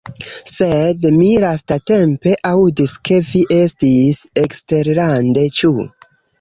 Sed mi lastatempe aŭdis ke vi estis eksterlande, ĉu?